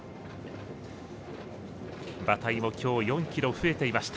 馬体もきょう４ｋｇ増えていました。